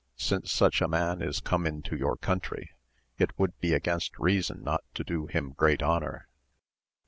Since such a man is come into your country it would be against reason not to do him great honour.